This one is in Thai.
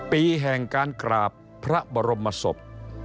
ปีแห่งการกราบพระบรมศพ